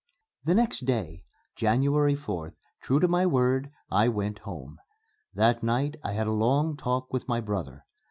The next day, January 4th, true to my word, I went home. That night I had a long talk with my brother.